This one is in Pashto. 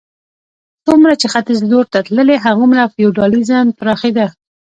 څومره چې ختیځ لور ته تللې هغومره فیوډالېزم پراخېده.